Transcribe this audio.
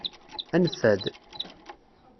Ad neffad.